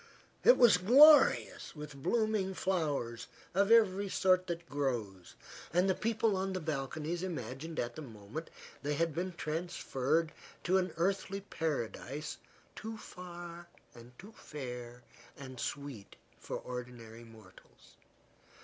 It was glorious with blooming flowers of every sort that grows, and the people on the balconies imagined at the moment they had been transferred to an earthly paradise too fair and sweet for ordinary mortals.